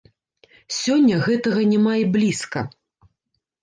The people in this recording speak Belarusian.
Сёння гэтага няма і блізка.